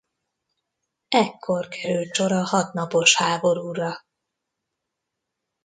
Ekkor került sor a hatnapos háborúra.